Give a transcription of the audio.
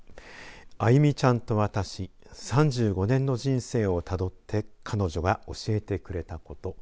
あゆみちゃんと私３５年の人生をたどって彼女が教えてくれたこと。